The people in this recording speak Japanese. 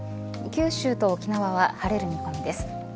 九州と沖縄は晴れる見込みです。